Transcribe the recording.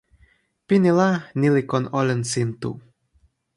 pini la, ni li kon olin sin tu.